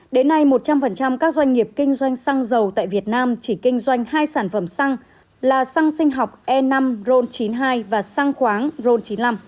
đến nay một trăm linh các doanh nghiệp kinh doanh xăng dầu tại việt nam chỉ kinh doanh hai sản phẩm xăng là xăng sinh học e năm ron chín mươi hai và xăng khoáng ron chín mươi năm